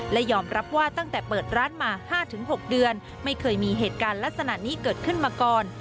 และยอมรับว่าตั้งแต่เปิดร้านมา๕๖เดือนไม่เคยมีเหตุการณ์ลักษณะนี้เกิดขึ้นมาก่อน